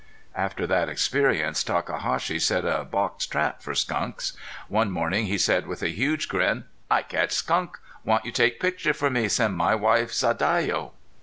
After that experience Takahashi set a box trap for skunks. One morning he said with a huge grin: "I catch skunk. Want you take picture for me send my wife Sadayo."